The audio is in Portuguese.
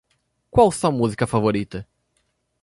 Qual sua música favorita?